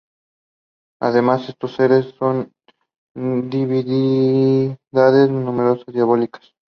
Además estos seres son divinidades menores diabólicas.